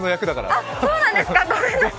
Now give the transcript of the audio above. あ、そうなんですか！？